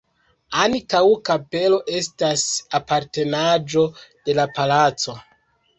Ankaŭ kapelo estas apartenaĵo de la palaco.